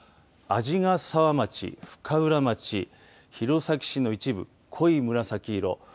鰺ヶ沢町、深浦町弘前市の一部濃い紫色。